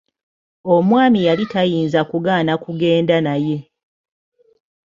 Omwami yali tayinza kugaana kugenda naye.